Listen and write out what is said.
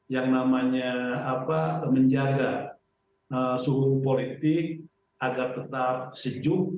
yang namanya menjaga suhu politik agar tetap sejuk